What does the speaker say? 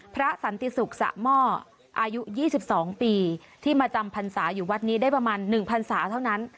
สันติศุกร์สะหม้ออายุ๒๒ปีที่มาจำพรรษาอยู่วัดนี้ได้ประมาณ๑พันศาเท่านั้น